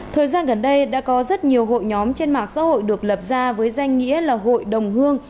thời gian gần đây đã có rất nhiều hội nhóm trên mạng xã hội được lập ra với danh nghĩa là hội đồng hương